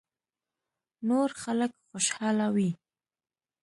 نور خلک خوشاله وي .